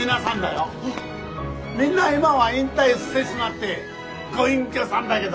みんな今は引退してしまってご隠居さんだげど。